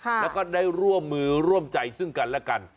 แล้วก็ได้ร่วมมือร่วมใจซึ่งกันและกัน